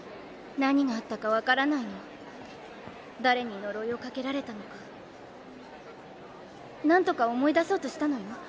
何があったか分からないの誰に呪いをかけられたのかなんとか思い出そうとしたのよ